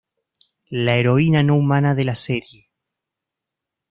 La heroína no humana de la serie.